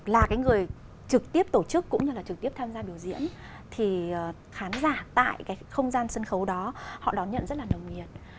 là cái người trực tiếp tổ chức cũng như là trực tiếp tham gia biểu diễn thì khán giả tại cái không gian sân khấu đó họ đón nhận rất là nồng nhiệt